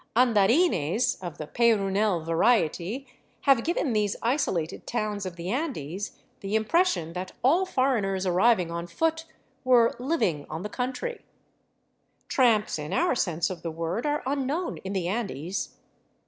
" Andarines " of the Peyrounel variety have given these isolated towns of the Andes the impression that all foreigners arriving on foot were " living on the country," Tramps, in our sense of the word, are unknown in the Andes.